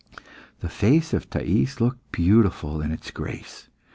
The face of Thais looked beautiful in its grief.